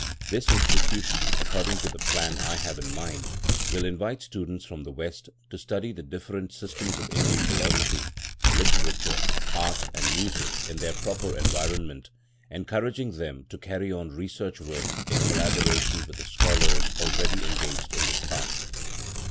This Institution, according to the plan I have in mind, will invite students from the West to study the different systems of Indian philosophy, literature, art and music in their proper environment, encouraging them to carry on research work in collaboration with the scholars already engaged in this task.